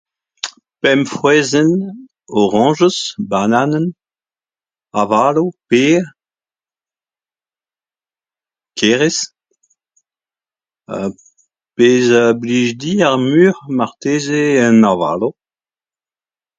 Pemp frouezhenn, orañjez, bananenn, avaloù, per, kerez. Pezh a blij din ar muioc'h marteze eo an avaloù.